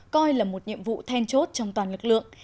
coi là một nhiệm vụ then chốt trong toàn lực lượng